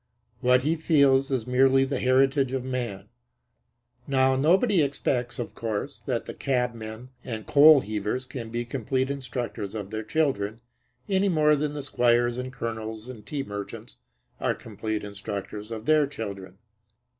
What he feels is merely the heritage of man. Now nobody expects of course that the cabmen and coal heavers can be complete instructors of their children any more than the squires and colonels and tea merchants are complete instructors of their children.